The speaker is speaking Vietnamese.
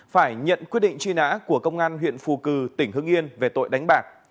phải nhận quyết định truy nã của công an huyện phù cử tỉnh hưng yên về tội đánh bạc